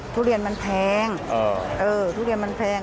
ทุเรียนมันแพงทุเรียนมันแพง